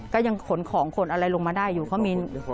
ก็ยังขนของขนอะไรลงมาได้อยู่เขามี